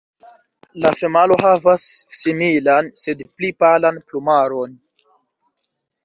La femalo havas similan, sed pli palan plumaron.